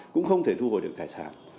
cũng không thể thu hồi được tài sản